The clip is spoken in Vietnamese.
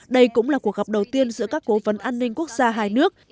đây cũng là cuộc gặp đầu tiên giữa các cố vấn an ninh quốc gia hai nước